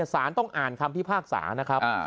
สารต้องอ่านคำพิพากษานะครับ